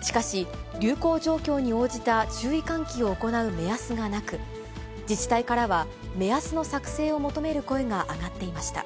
しかし、流行状況に応じた注意喚起を行う目安がなく、自治体からは目安の作成を求める声が上がっていました。